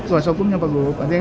wah sholkumnya pak gup